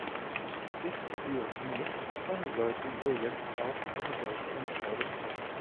Ist sie es nicht, dann sollten wir jetzt auch eine solche Entscheidung treffen.